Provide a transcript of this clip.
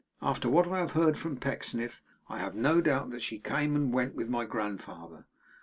'After what I have heard from Pecksniff, I have no doubt that she came and went with my grandfather.